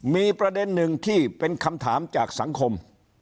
มีประเด็นหนึ่งที่เป็นคำถามจากสังคม